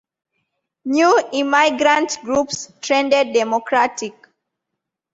New immigrant groups trended Democratic.